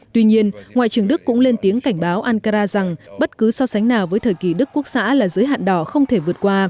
tuy nhiên ngoại trưởng đức cũng lên tiếng cảnh báo ankara rằng bất cứ so sánh nào với thời kỳ đức quốc xã là giới hạn đỏ không thể vượt qua